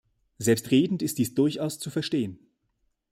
Selbstredend ist dies durchaus zu verstehen.